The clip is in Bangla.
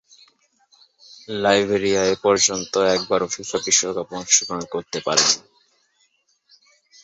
লাইবেরিয়া এপর্যন্ত একবারও ফিফা বিশ্বকাপে অংশগ্রহণ করতে পারেনি।